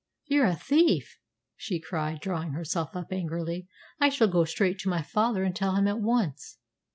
"You're a thief!" she cried, drawing herself up angrily. "I shall go straight to my father and tell him at once."